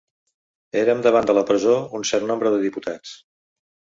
Érem davant de la presó un cert nombre de diputats.